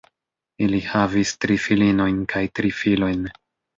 Ili havis tri filinojn kaj tri filojn.